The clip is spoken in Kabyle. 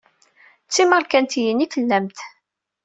D timarikaniyin i tellamt.